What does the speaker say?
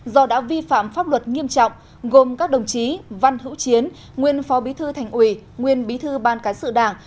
do đã vi phạm pháp luật nghiêm trọng gồm các đồng chí văn hữu chiến nguyên phó bí thư thành ủy nguyên bí thư ban cán sự đảng